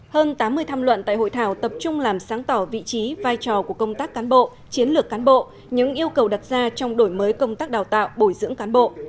hơn tám mươi tham luận tại hội thảo tập trung làm sáng tỏ vị trí vai trò của công tác cán bộ chiến lược cán bộ những yêu cầu đặt ra trong đổi mới công tác đào tạo bồi dưỡng cán bộ